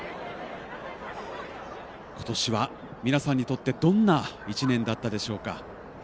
ことしは皆さんにとってどんな一年だったでしょうか？